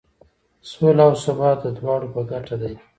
سوله او ثبات د دواړو په ګټه دی.